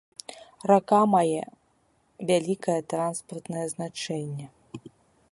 Рака мае вялікае транспартнае значэнне.